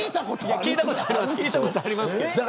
聞いたことはありますけど。